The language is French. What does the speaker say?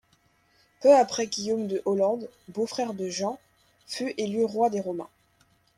Peu après Guillaume de Hollande, beau-frère de Jean, fut élu roi des romains.